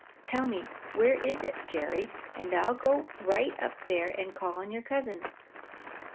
Tell me where it is, Jerry, and I'll go right up there and call on your cousin."